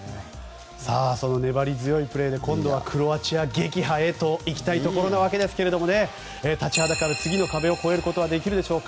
粘り強いプレーで今度はクロアチア撃破へと行きたいところですが立ちはだかる次の壁を越えられるでしょうか。